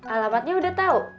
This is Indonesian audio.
alamatnya udah tau